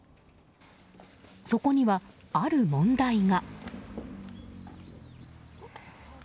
そこには、ある問題が。